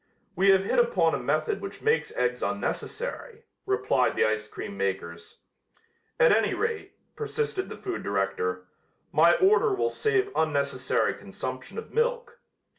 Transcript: "We have hit upon a method which makes eggs unnecessary," replied the ice cream makers. "At any rate," persisted the food director, "my order will save unnecessary consumption of milk."